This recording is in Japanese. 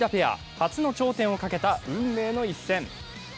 初の頂点をかけた運命の一戦。